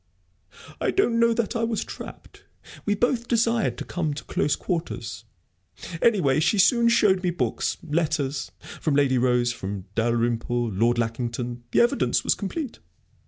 "I don't know that I was trapped. We both desired to come to close quarters. Anyway, she soon showed me books, letters from Lady Rose, from Dalrymple, Lord Lackington the evidence was complete....